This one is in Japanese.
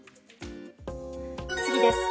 次です。